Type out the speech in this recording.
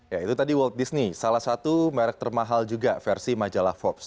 ya itu tadi walt disney salah satu merek termahal juga versi majalah forbes